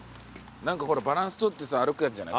何かほらバランス取ってさ歩くやつじゃない？